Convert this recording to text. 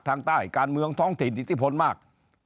ทางใต้การเมืองท้องถิ่นอิทธิพลมาก